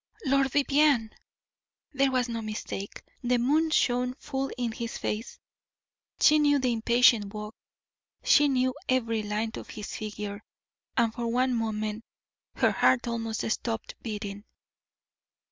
Lord Vivianne! there was no mistake. The moon shone full in his face; she knew the impatient walk; she knew every line of his figure, and for one moment her heart almost stopped beating.